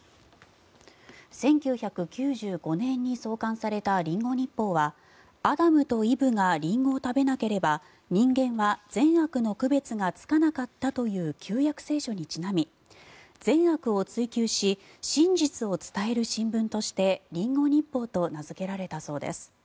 １９９５年に創刊されたリンゴ日報はアダムとイブがリンゴを食べなければ人間は善悪の区別がつかなかったという旧約聖書にちなみ善悪を追及し真実を伝える新聞としてリンゴ日報と名付けられたそうです。